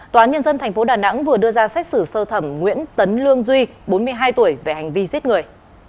tòa án nhân dân tp đà nẵng vừa đưa ra xét xử sơ thẩm nguyễn tấn lương duy bốn mươi hai tuổi về hành vi giết người